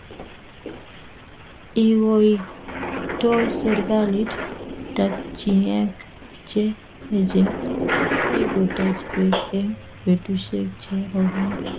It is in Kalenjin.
Ikoiitoi serikalit tankihek che echen si ko tach beek eng' petushek che roboni